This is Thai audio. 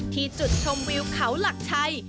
จุดชมวิวเขาหลักชัย